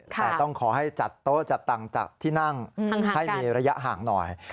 แต่ต้องขอให้จัดโต๊ะจัดต่างจัดที่นั่งให้มีระยะห่างหน่อย